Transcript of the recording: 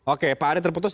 oke pak ari terputus